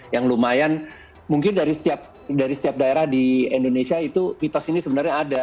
yang lumayan mungkin dari setiap daerah di indonesia itu mitos ini sebenarnya ada